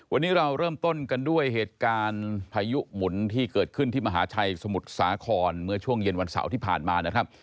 วันนี้เราเริ่มต้นกันด้วยเหตุการณ์พายุหมุนที่เกิดขึ้นที่มหาชัยสมุทรสาครเมื่อช่วงเย็นวันเสาร์ที่ผ่านมานะครับ